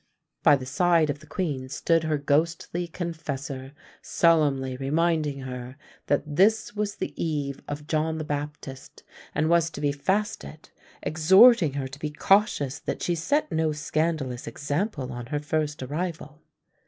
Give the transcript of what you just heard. By the side of the queen stood her ghostly confessor, solemnly reminding her that this was the eve of John the Baptist, and was to be fasted, exhorting her to be cautious that she set no scandalous example on her first arrival.